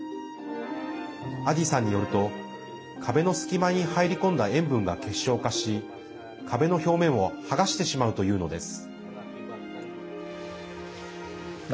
アディさんによると壁の隙間に入り込んだ塩分が結晶化し、壁の表面をはがしてしまうというのです。